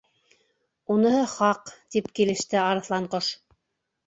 —Уныһы хаҡ, —тип килеште Арыҫланҡош.